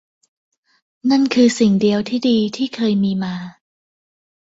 นั่นคือสิ่งเดียวที่ดีที่เคยมีมา